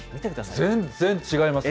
見全然違いますよ。